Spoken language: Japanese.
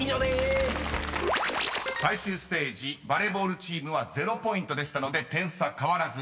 ［最終ステージバレーボールチームは０ポイントでしたので点差変わらず。